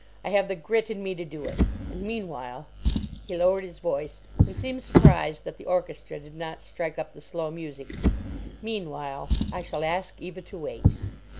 I have the grit in me to do it. And meanwhile"—he lowered his voice, and seemed surprised that the orchestra did not strike up the slow music—"meanwhile, I shall ask Eva to wait."